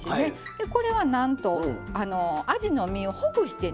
でこれはなんとあじの身をほぐしてね。